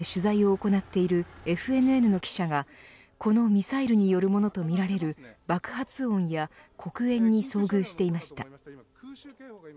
ウクライナ西部リビウで取材を行っているＦＮＮの記者がこのミサイルによるものとみられる爆発音や黒煙に遭遇していました。